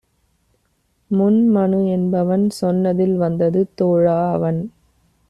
முன்-மனு என்பவன் சொன்னதில் வந்தது தோழா - அவன்